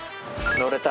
乗れた。